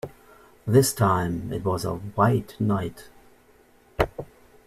This time it was a White Knight.